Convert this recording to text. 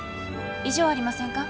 異常ありませんか？